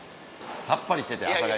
さっぱりしてて朝粥。